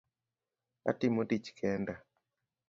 Atimo tich kenda